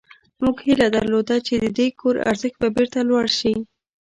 موږ هیله درلوده چې د دې کور ارزښت به بیرته لوړ شي